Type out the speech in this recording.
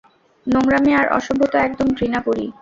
নোংরামি আর অসভ্যতা একদম ঘৃণা করি।